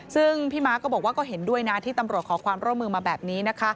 ซึ่งพี่ม้าก็บอกว่าก็เห็นด้วยนะที่ตำรวจขอความร่วมมือมาแบบนี้นะคะ